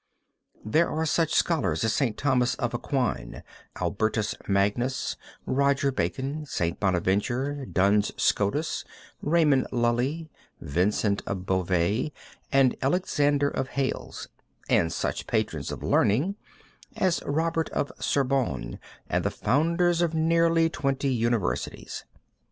There are such scholars as St. Thomas of Aquin, Albertus Magnus, Roger Bacon, St. Bonaventure, Duns Scotus, Raymond Lully, Vincent of Beauvais, and Alexander of Hales, and such patrons of learning as Robert of Sorbonne, and the founders of nearly twenty universities.